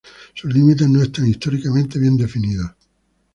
Sus límites no están históricamente bien definidos.